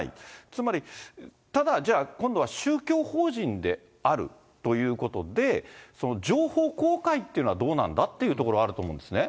つまりただじゃあ、今度は宗教法人であるということで、情報公開っていうのはどうなんだっていうところあるんですね。